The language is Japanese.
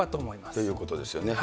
ということですよね。